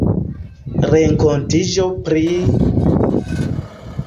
renkontiĝo pri...